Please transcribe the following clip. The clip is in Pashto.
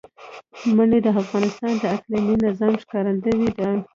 منی د افغانستان د اقلیمي نظام ښکارندوی ده.